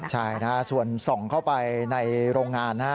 ใช่ส่วนส่องเข้าไปในโรงงาน